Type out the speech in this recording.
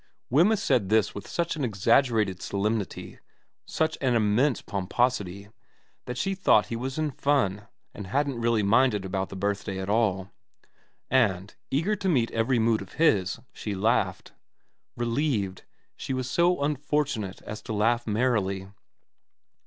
' Wemyss said this with such an exaggerated solemnity, such an immense pomposity, that she thought he was in fun and hadn't really minded about the birthday at all ; and, eager to meet every mood of his, she laughed. Relieved, she was so unfortunate as to laugh merrily.